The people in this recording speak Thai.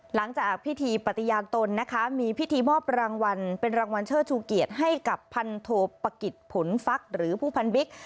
หลังจากพิธีปฏิญาณตนนะคะมีพิธีมอบรางวัลเป็นรางวัลเชิดชูเกียรติให้กับพันโทปะกิจผลฟักหรือผู้พันบิ๊ก